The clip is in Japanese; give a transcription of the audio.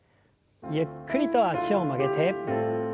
ゆっくりと脚を曲げて。